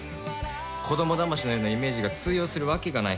子どもだましのようなイメージが通用するわけがない。